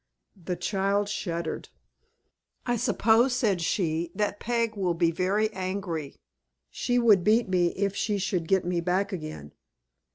The child shuddered. "I suppose," said she, "that Peg will be very angry. She would beat me, if she should get me back again."